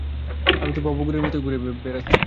আমি তো ভবঘুরের মত ঘুরেই বেড়াচ্ছি।